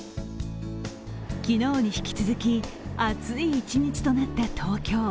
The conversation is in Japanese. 昨日に引き続き、暑い一日となった東京。